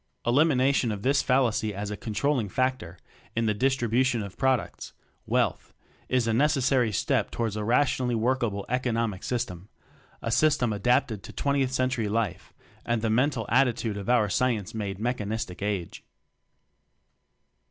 Elimination of this fallacy as a con trolling factor in the distribution of products wealth is a necessary step toward a rationally workable eco nomic system; a system adapted to 20th Century life and the mental at titude of our science made Mecha nistic Age.